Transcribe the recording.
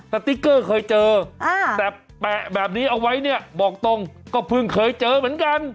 สติ๊กเกอร์เคยเจอแต่แปะแบบนี้เอาไว้เนี่ยบอกตรงก็เพิ่งเคยเจอเหมือนกัน